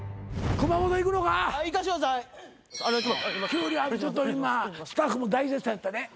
キュウリはちょっと今スタッフも大絶賛やったで。